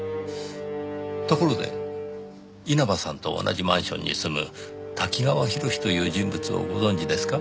ところで稲葉さんと同じマンションに住む瀧川洋という人物をご存じですか？